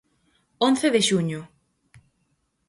Once de xuño.